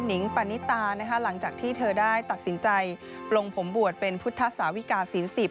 งปานิตานะคะหลังจากที่เธอได้ตัดสินใจปลงผมบวชเป็นพุทธศาวิกาศีล๑๐